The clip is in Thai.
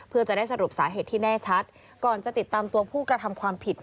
เพื่อจะได้สรุปสาเหตุที่แน่ชัดก่อนจะติดตามตัวผู้กระทำความผิด